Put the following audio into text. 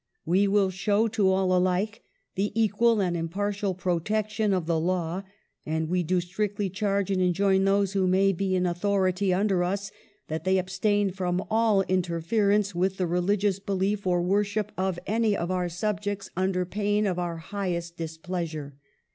We will show to all alike the equal and impartial protection of the law, and we do strictly charge and enjoin those who may be in authority under us that they abstain from all interference with the religious belief or worship of any of our subjects under pain of our highest displeasure.